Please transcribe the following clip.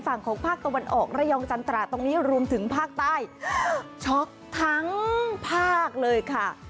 ฝั่งของภาคตะวันออกระยองจันตราตรงนี้รวมถึงภาคใต้ช็อกทั้งภาคเลยค่ะ